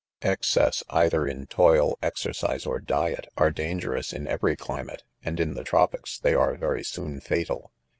Excess, either in toil, exercise, ox diet, are dangerous in every climate ; and in the tropics, they are very soor\ fatal.